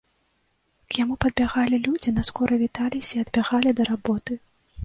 К яму падбягалі людзі, наскора віталіся і адбягалі да работы.